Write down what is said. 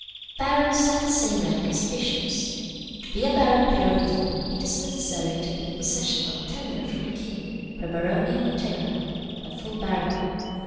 "Barons have the same rank as bishops. To be a baron peer of England, it is necessary to be in possession of a tenure from the king per Baroniam integram, by full barony.